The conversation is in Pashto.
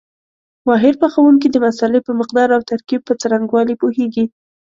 ماهر پخوونکي د مسالې په مقدار او ترکیب په څرنګوالي پوهېږي.